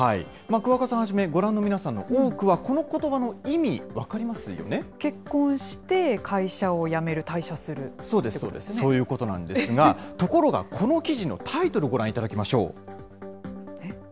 桑子さんはじめ、ご覧の皆さんの多くはこのことばの意味、分結婚して会社を辞める、退社そうです、そういうことなんですが、ところが、この記事のタイトル、ご覧いただきましょう。